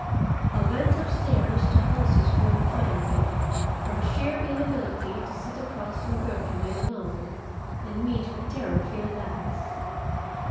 I went up stairs to Halsey's room finally, from sheer inability to sit across from Gertrude any longer, and meet her terror filled eyes.